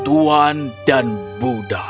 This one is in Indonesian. kau tsarden dan budak